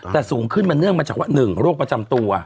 แต่สูงขึ้นมาเนื่องมาจากว่า๑โรคประจำตัว